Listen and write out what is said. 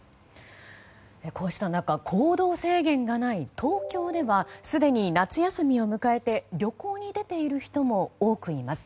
こうした中行動制限がない東京ではすでに夏休みを迎えて旅行に出ている人も多くいます。